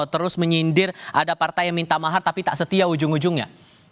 terus menyindir ada partai yang minta mahar tapi tak setia ujung ujungnya